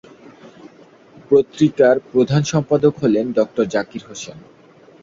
পত্রিকার প্রধান সম্পাদক হলেন ডঃ জাকির হুসেন।